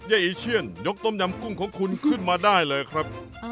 อีเชียนยกต้มยำกุ้งของคุณขึ้นมาได้เลยครับ